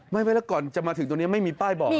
ไม่ก่อนจะมาถึงตรงนี้ไม่มีป้ายบอกอะไรเลย